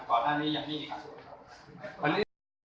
โปรดติดตามตอนต่อไป